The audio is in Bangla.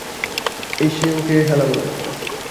এসে ওকে হ্যালো বলো।